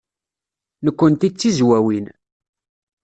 Nekkenti d Tizwawin.